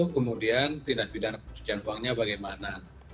kemudian tindak pidana pencucian uangnya bagaimana